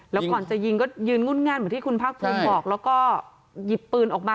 แล้วก่อนจะยิงก็ยืนงุ่นง่ายเหมือนที่คุณภาคภูมิบอกแล้วก็หยิบปืนออกมา